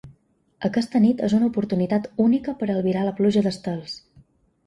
Aquesta nit és una oportunitat única per albirar la pluja d’estels.